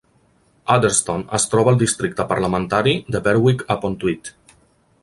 Adderstone es troba al districte parlamentari de Berwick-upon-Tweed.